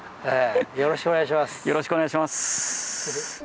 よろしくお願いします。